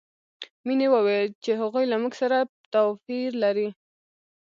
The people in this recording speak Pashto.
مینې وویل چې هغوی له موږ سره توپیر لري